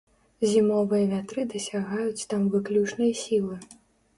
Зімовыя вятры дасягаюць там выключнай сілы.